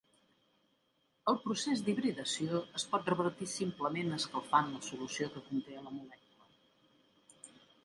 El procés d'hibridació es pot revertir simplement escalfant la solució que conté a la molècula.